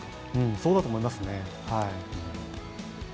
そうだと思いますね。